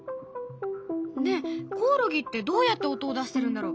ねえコオロギってどうやって音を出してるんだろう？